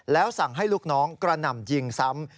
แล้วสั่งให้ลูกน้องกระหน่ำยิงซ้ำ